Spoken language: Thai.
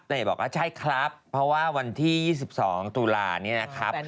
ได้ครับเพราะว่าวันที่๒๒ตุลานี่นะครับ